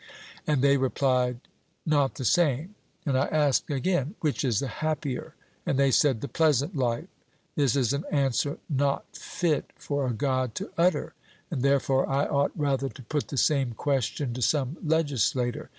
and they replied, 'Not the same'; and I asked again 'Which is the happier'? And they said' 'The pleasant life,' this is an answer not fit for a God to utter, and therefore I ought rather to put the same question to some legislator.